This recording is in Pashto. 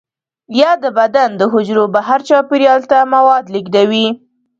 یا د بدن د حجرو بهر چاپیریال ته مواد لیږدوي.